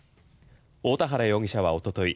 大田原容疑者はおととい